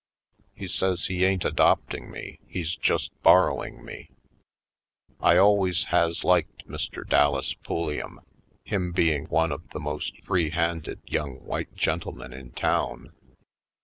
He says he ain't adopting me, he's just borrowing me. I always has liked Mr. Dallas Pulliam, Down Yonder 19 him being one of the most freehanded young white gentlemen in town.